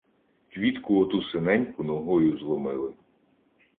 Квітку оту синеньку ногою зломили.